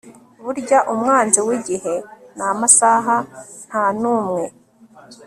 Burya umwanzi wigihe namasaha ntanumwe